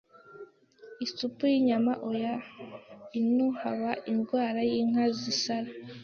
isupu y'inyama oya ino haba indwara y'inka zisara